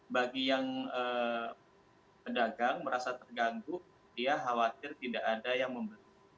bagi yang pedagang merasa terganggu dia khawatir tidak ada yang membeli